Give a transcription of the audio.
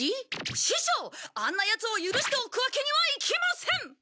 師匠あんなやつを許しておくわけにはいきません。